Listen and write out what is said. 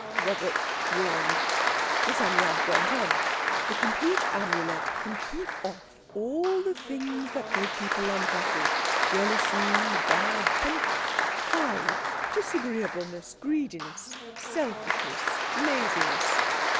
Robert yawned. The Psammead went on. "The complete Amulet can keep off all the things that make people unhappy—jealousy, bad temper, pride, disagreeableness, greediness, selfishness, laziness.